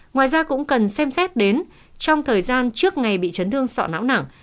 ngoài ra cũng cần xem xét đến trong thời gian trước ngày bị chấn thương sọ não nặng